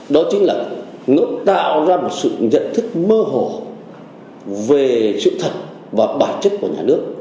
đó chính là nó tạo ra một sự nhận thức mơ hồ về sự thật và bản chất của nhà nước